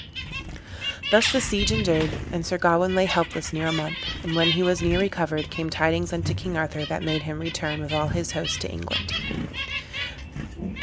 Thus the siege endured, and Sir Gawain lay helpless near a month; and when he was near recovered came tidings unto King Arthur that made him return with all his host to England.